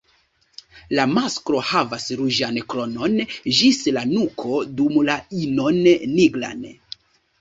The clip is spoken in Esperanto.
La masklo havas ruĝan kronon ĝis la nuko, dum la inon nigran.